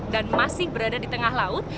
dan masih berada di tengah laut